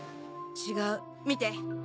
違う見て。